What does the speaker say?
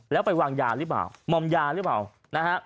แล้วไปวางยาหรือเปล่ามอมยาหรือเปล่านะฮะ